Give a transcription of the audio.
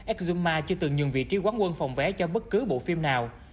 exuma chưa từng nhường vị trí quán quân phòng vé cho bất cứ bộ phim nào